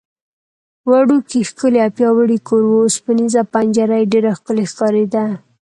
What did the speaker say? وړوکی، ښکلی او پیاوړی کور و، اوسپنېزه پنجره یې ډېره ښکلې ښکارېده.